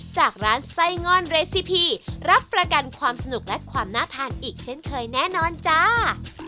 จากร้านไส้ง่อนเรซิพีรับประกันความสนุกและความน่าทานอีกเช่นเคยแน่นอนจ้า